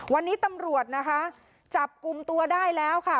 วันนี้ตำรวจนะคะจับกลุ่มตัวได้แล้วค่ะ